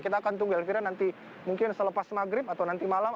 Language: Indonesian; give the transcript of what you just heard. kita akan tunggu elvira nanti mungkin selepas maghrib atau nanti malam